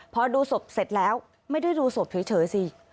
พอดูศพเสร็จแล้วไม่ได้ดูศพเฉยสิ